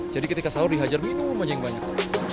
jadi ketika sahur dihajar minum aja yang banyak